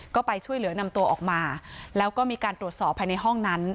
ก็ไปช่วยเหลือนำตัวออกมาแล้วก็มีการตรวจสอบภายในห้องนั้น